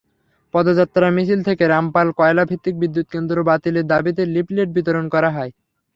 পদযাত্রা মিছিল থেকে রামপাল কয়লাভিত্তিক বিদ্যুৎকেন্দ্র বাতিলের দাবিতে লিফলেট বিতরণ করা হয়।